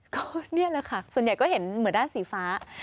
ก็นี่แหละค่ะส่วนใหญ่ก็เห็นเหมือนด้านสีฟ้า